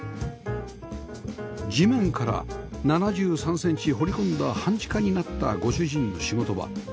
地面から７３センチ掘り込んだ半地下になったご主人の仕事場